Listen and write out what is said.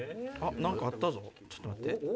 何かあったぞちょっと待って。